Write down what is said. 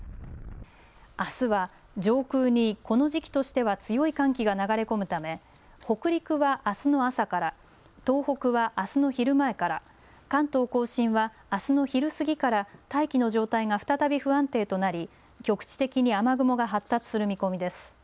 あすは上空にこの時期としては強い寒気が流れ込むため北陸はあすの朝から、東北はあすの昼前から、関東甲信はあすの昼過ぎから大気の状態が再び不安定となり局地的に雨雲が発達する見込みです。